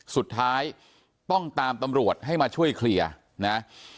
สุดท้ายต้องตามตำรวจให้มาช่วยเคลียร์นะ